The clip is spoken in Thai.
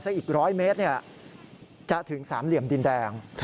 อีก๑๐๐เมตรจะถึงสามเหลี่ยมดินแดง